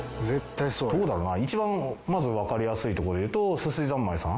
どうだろうな一番まずわかりやすいとこで言うとすしざんまいさん。